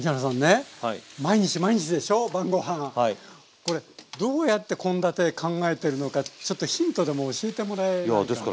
これどうやって献立考えてるのかちょっとヒントでも教えてもらえないかなって。